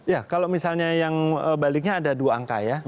ya kalau misalnya yang baliknya ada dua angka ya